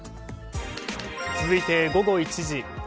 続いて午後１時。